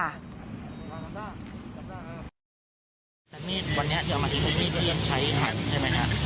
วันนี้เอามาทิ้งมีดที่ใช้หันใช่ไหมคะ